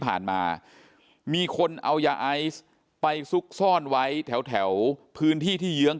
มามีคนเอายาไอซ์ไปซุกซ่อนไว้แถวพื้นที่ที่เยื้อง